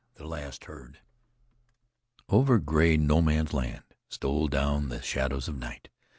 THE LAST HERD Over gray No Man's Land stole down the shadows of night.